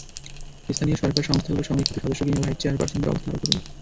স্থানীয় সরকার সংস্থাগুলোর সংরক্ষিত সদস্য কিংবা ভাইস চেয়ারপারসনদের অবস্থা আরও করুণ।